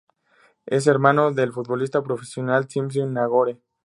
Es hermano del futbolista profesional Txomin Nagore.